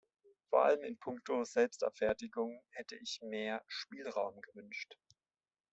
Vor allem in puncto Selbstabfertigung hätte ich mehr Spielraum gewünscht.